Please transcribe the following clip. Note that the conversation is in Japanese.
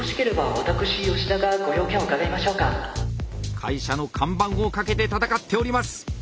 会社の看板を懸けて戦っております。